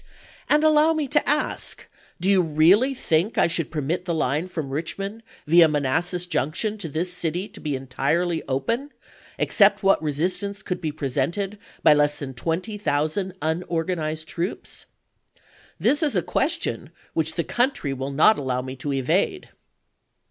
And allow me to ask, do you really think I should permit the line from Richmond via Manassas Junction to this city to be entirely open, except what resistance could be presented by less than twenty thousand unorganized troops ? This is a question which the country will not allow me to evade.